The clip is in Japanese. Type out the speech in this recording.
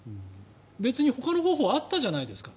別にほかの方法あったじゃないですか。